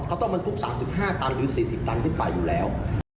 เขาต้องบรรทุก๓๕ตันหรือ๔๐ตันขึ้นไปอยู่แล้ว